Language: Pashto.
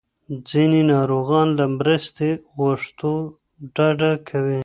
ځینې ناروغان له مرستې غوښتو ډډه کوي.